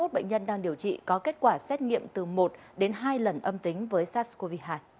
hai mươi bệnh nhân đang điều trị có kết quả xét nghiệm từ một đến hai lần âm tính với sars cov hai